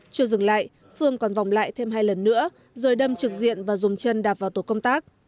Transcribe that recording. chưa dừng lại phương còn vòng lại thêm hai lần nữa rồi đâm trực diện và dùng chân đạp vào tổ công tác